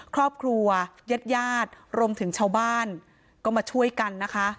ครอบครัวญิตยาติร่มถึงเช้าบ้านก็มาช่วยกันนะคะ